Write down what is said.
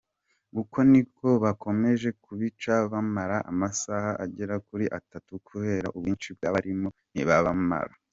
Uko niko bakomeje kubica, bamara amasaha agera kuri atatu, kubera ubwinshi bw’abarimo, ntibabamara.